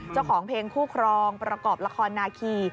เจ้าของเพลงคู่ครองประกอบละครนาคี